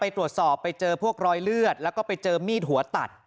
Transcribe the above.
ตรวจสอบไปเจอพวกรอยเลือดแล้วก็ไปเจอมีดหัวตัด